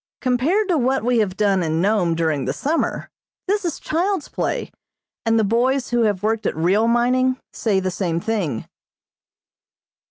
Compared to what we have done in Nome during the summer, this is child's play, and the boys who have worked at real mining say the same thing.